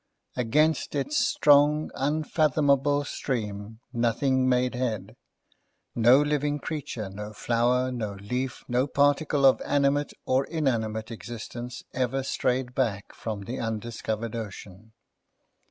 Against its strong, unfathomable stream, nothing made head. No living creature, no flower, no leaf, no particle of animate or inanimate existence, ever strayed back from the undiscovered ocean.